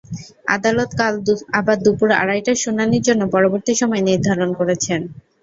আদালত কাল আবার দুপুর আড়াইটায় শুনানির জন্য পরবর্তী সময় নির্ধারণ করেছেন।